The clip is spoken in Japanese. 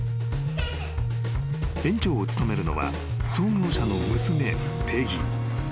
［園長を務めるのは創業者の娘ペギー］